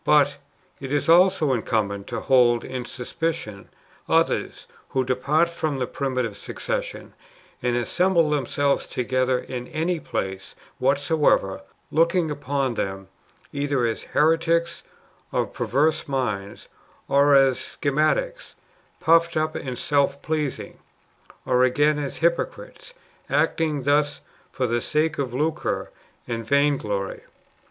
But [It is also Incumbent] to hold in suspicion others who depart from the primitive succession, and assemble themselves to gether in any place whatsoever, [looking npon them] either as heretics of perverse minds, or as schismatics puffed up and self pleasing, or again as hypocrites, acting thus for the sake of lucre and vainglory.